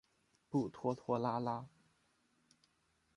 不拖拖拉拉。